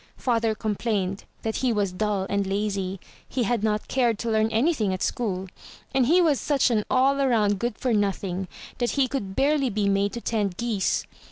Father complained that he was dull and lazy; he had not cared to learn anything at school, and he was such an all around good for nothing that he could barely be made to tend geese.